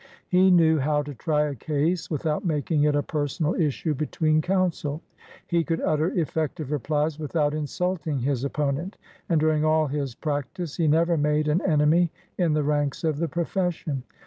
He knew how to try a case without making it a personal issue between counsel. He could utter effective replies without insulting his opponent, and during all his practice he never made an enemy in the ranks of the profession.